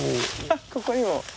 あっここにも。